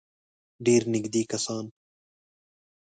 ډېر نېږدې کسان.